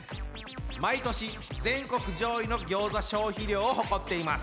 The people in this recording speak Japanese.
毎年全国上位のギョーザ消費量を誇っています。